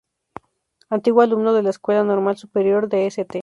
Antiguo alumno de la Escuela Normal Superior de St.